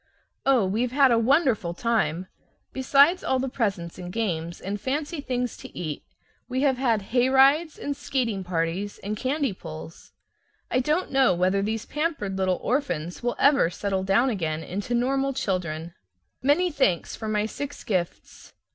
Oh, we've had a wonderful time! Besides all the presents and games and fancy things to eat, we have had hayrides and skating parties and candy pulls. I don't know whether these pampered little orphans will ever settle down again into normal children. Many thanks for my six gifts.